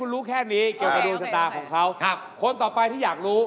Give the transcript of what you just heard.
รวยรวยเลยแล้วตอนนี้๒๘